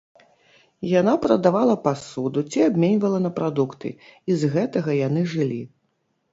Яна прадавала пасуду ці абменьвала на прадукты, і з гэтага яны жылі.